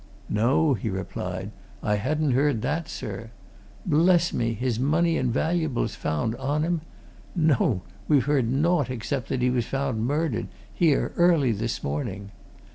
"No," he replied. "I hadn't heard that, sir. Bless me! his money and valuables found on him. No! we've heard naught except that he was found murdered, here, early this morning.